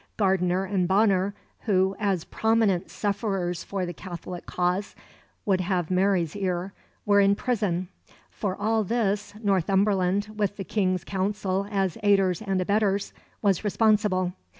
Gardiner and Bonner, who, as prominent sufferers for the Catholic cause, would have Mary's ear, were in prison. For all this Northumberland, with the King's Council as aiders and abettors, was responsible.